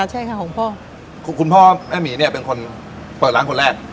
ใช่ค่ะของพ่อคุณพ่อแม่หมีเนี่ยเป็นคนเปิดร้านคนแรก